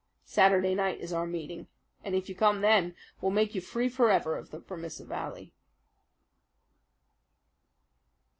Saturday night is our meeting, and if you come then, we'll make you free forever of the Vermissa Valley."